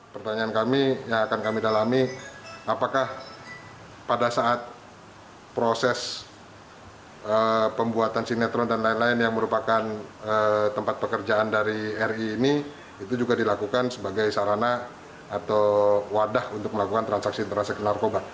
pemeriksaan dari ri ini juga dilakukan sebagai sarana atau wadah untuk melakukan transaksi transaksi ke narkoba